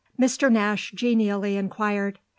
Mr. Nash genially inquired.